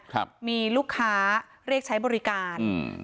ครับมีลูกค้าเรียกใช้บริการอืม